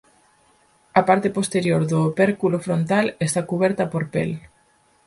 A parte posterior do opérculo frontal está cuberta por pel.